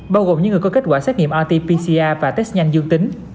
bao gồm những người có kết quả xét nghiệm rt pcr và test nhanh dương tính